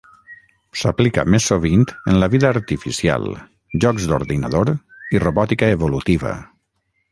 S'aplica més sovint en la vida artificial, jocs d'ordinador i robòtica evolutiva.